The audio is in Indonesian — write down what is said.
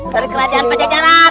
dari kerajaan pancajaran